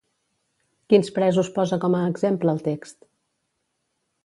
Quins presos posa com a exemple el text?